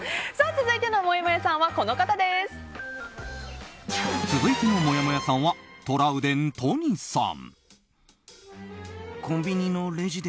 続いてのもやもやさんは続いてのもやもやさんはトラウデン都仁さん。